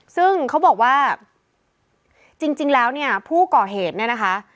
ซึ่งเขาบอกว่าจริงแล้วผู้ก่อเหตุนะคะ